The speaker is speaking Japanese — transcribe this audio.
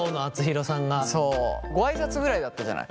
ご挨拶ぐらいだったじゃない。